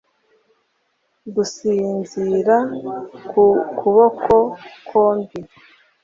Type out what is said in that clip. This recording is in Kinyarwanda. gusinzira ku kuboko kwombi.